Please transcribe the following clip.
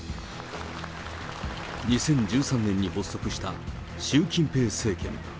２０１３年に発足した習近平政権。